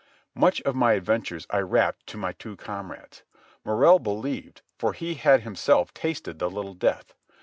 Much of my adventures I rapped to my two comrades. Morrell believed, for he had himself tasted the little death.